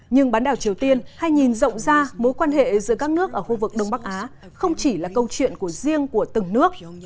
nhưng bán đảo triều tiên hay nhìn rộng ra mối quan hệ giữa các nước ở khu vực đông bắc á không chỉ là câu chuyện của riêng của từng nước